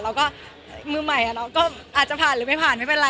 แล้วก็มือใหม่เราก็อาจจะผ่านหรือไม่ผ่านไม่เป็นไร